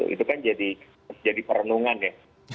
itu kan jadi perenungan ya